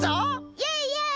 イエイイエイ！